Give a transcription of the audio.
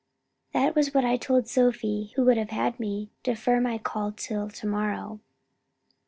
"That was what I told Sophie who would have had me defer my call till to morrow."